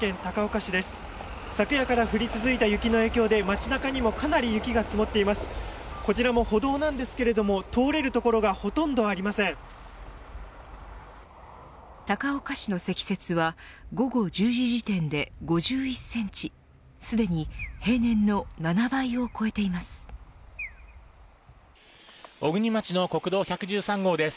高岡市の積雪は午後１０時時点で５１センチすでに平年の７倍を超えています。